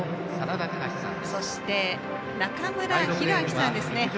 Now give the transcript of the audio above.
そして、中村弘明さんです。